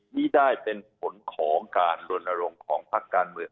นี่ได้เป็นผลของการลนรงค์ของพักการเมือง